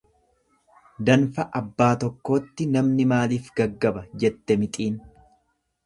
Danfa abbaa tokkootti namni maaliif gaggaba jette mixiin.